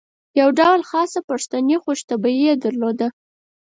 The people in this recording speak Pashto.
یو ډول خاصه پښتني خوش طبعي یې درلوده.